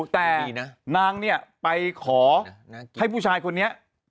แต่นางเนี่ยไปขอให้ผู้ชายคนนี้